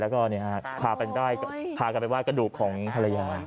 แล้วก็พากลับไปว่ากระดูกของภรรยา